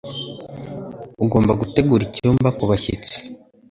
Ugomba gutegura icyumba kubashyitsi.